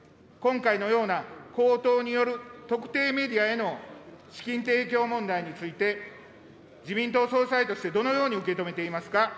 今回のような、公党による特定メディアへの資金提供問題について、自民党総裁としてどのように受け止めていますか。